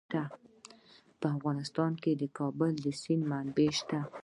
په افغانستان کې د د کابل سیند منابع شته.